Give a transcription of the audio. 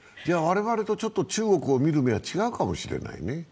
じゃあ我々とちょっと中国を見る目が違うかもしれないね。